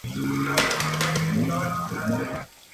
El jardín se ha restaurado a fondo actualmente.